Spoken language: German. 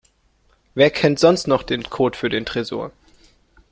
Wer kennt sonst noch den Code für den Tresor?